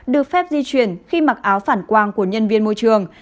được phép di chuyển khi mặc áo phản quang của nhân viên môi trường